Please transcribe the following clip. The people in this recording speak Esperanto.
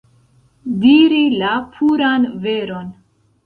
Diri la puran veron.